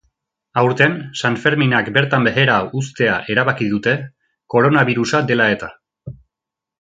Aurten sanferminak bertan behera uztea erabaki dute, koronabirusa dela eta.